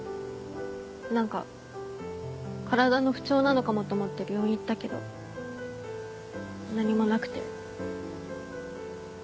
何か体の不調なのかもと思って病院行ったけど何もなくて。